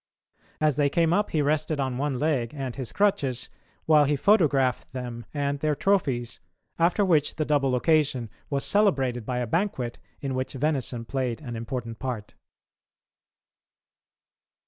As they came up he rested on one leg and his crutches, while he photographed them and their trophies, after which the double occasion was celebrated by a banquet in which venison played an important part.